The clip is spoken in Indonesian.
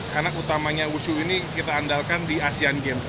husu ini kita andalkan di asean games